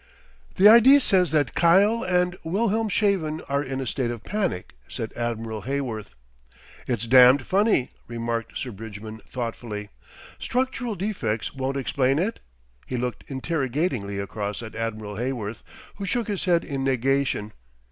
"The I.D. says that Kiel and Wilhelmshaven are in a state of panic," said Admiral Heyworth. "It's damned funny," remarked Sir Bridgman thoughtfully. "Structural defects won't explain it?" He looked interrogatingly across at Admiral Heyworth, who shook his head in negation.